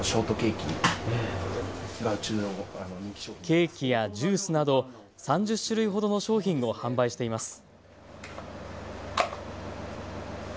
ケーキやジュースなど３０種類ほどの商品を販売しています。